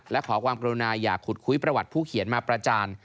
และขอความกรุณาอย่าขุดคุยประวัติผู้เขียนมาประจาน